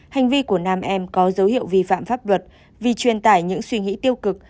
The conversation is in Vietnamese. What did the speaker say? hành vi của nam em có dấu hiệu vi phạm pháp luật vì truyền tải những suy nghĩ tiêu cực